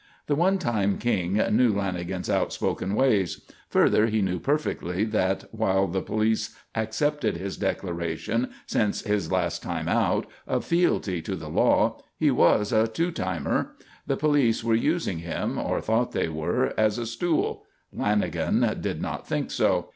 The one time King knew Lanagan's outspoken ways. Further he knew perfectly that, while the police accepted his declaration, since his last time out, of fealty to the law, he was a two timer. The police were using him, or thought they were, as a "stool;" Lanagan did not think so.